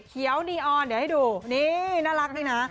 เขียวเตี๊ยวให้ดูนี่น่ารักไหมนะ